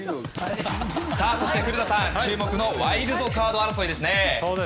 そして古田さん、注目のワイルドカード争いですね。